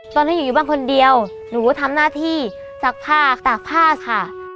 ตอนที่อยู่บ้างคนเดียวหนูทำหน้าที่จักรผ้าจักรตากผ้าค่ะ